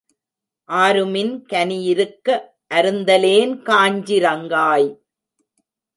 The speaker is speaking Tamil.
ஆருமின் கனியி ருக்க அருந்தலேன் காஞ்சி ரங்காய்?